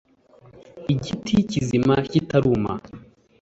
igiti kizima kitaruma